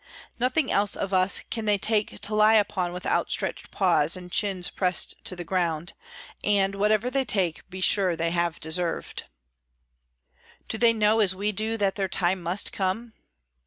Nothing else of us can they take to lie upon with outstretched paws and chin pressed to the ground; and, whatever they take, be sure they have deserved. Do they know, as we do, that their time must come?